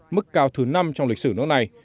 mức cao thứ năm trong lịch sử nước này